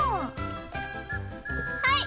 はい。